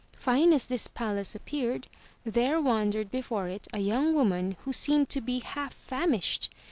Fine as this palace appeared, there wandered before it a young woman who seemed to be half famished.